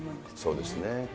そうですね。